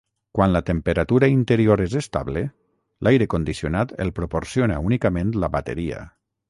Quan la temperatura interior és estable, l'aire condicionat el proporciona únicament la bateria.